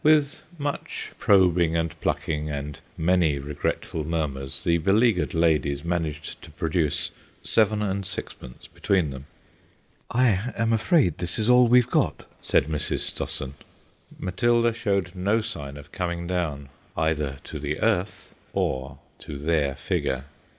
With much probing and plucking and many regretful murmurs the beleaguered ladies managed to produce seven and sixpence between them. "I am afraid this is all we've got," said Mrs. Stossen. Matilda showed no sign of coming down either to the earth or to their figure.